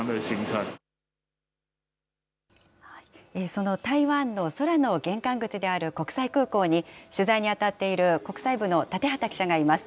その台湾の空の玄関口である国際空港に、取材に当たっている国際部の建畠記者がいます。